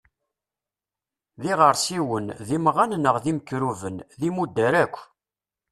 D iɣersiwen, d imɣan neɣ d imkruben, d imudar akk.